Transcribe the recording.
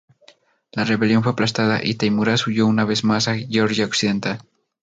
La rebelión fue aplastada y Teimuraz huyó una vez más a Georgia occidental.